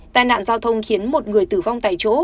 tai nạn giao thông khiến một người tử vong tại chỗ